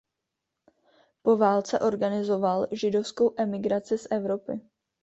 Po válce organizoval židovskou emigraci z Evropy.